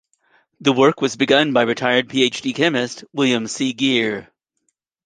The work was begun by retired Ph.D chemist, William C. Geer.